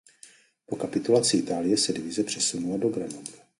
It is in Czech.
Po kapitulaci Itálie se divize přesunula do Grenoblu.